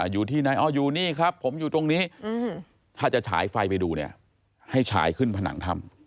อยู่ที่ไหนอ๋ออยู่นี่ครับผมอยู่ตรงนี้ถ้าจะฉายไฟไปดูเนี่ยให้ฉายขึ้นผนังถ้ำ